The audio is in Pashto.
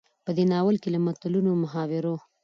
په دې ناول کې له متلونو، محاورو،